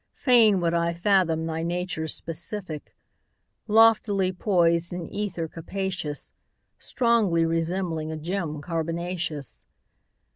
Fain would I fathom thy nature's specific Loftily poised in ether capacious. Strongly resembling a gem carbonaceous.